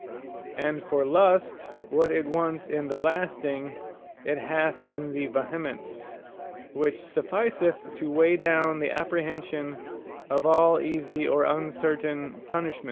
And for Lust, what it wants in the lasting, it hath in the vehemence, which sufficeth to weigh down the apprehension of all easie, or uncertain punishments.